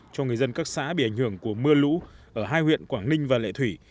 cho người dân các xã bị ảnh hưởng của mưa lũ ở hai huyện quảng ninh và lệ thủy